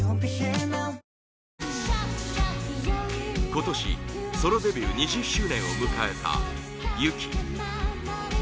今年、ソロデビュー２０周年を迎えたＹＵＫＩ